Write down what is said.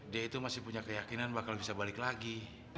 dia itu masih punya keyakinan bakal bisa balik lagi